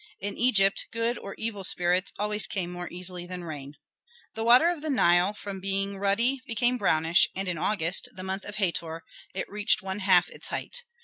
In Egypt good or evil spirits always came more easily than rain. The water of the Nile from being ruddy became brownish, and in August, the month of Hator, it reached one half its height.